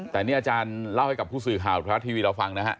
แต่นี่อาจารย์เล่าให้กับผู้สื่อข่าวทรัฐทีวีเราฟังนะฮะ